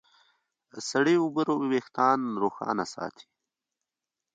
سړې اوبه وېښتيان روښانه ساتي.